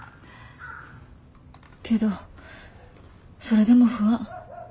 けどそれでも不安。